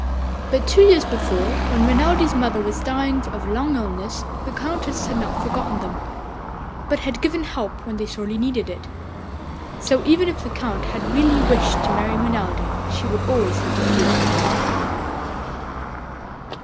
But two years before, when Renelde's mother was dying of a long illness, the Countess had not forgotten them, but had given help when they sorely needed it. So even if the Count had really wished to marry Renelde, she would always have refused.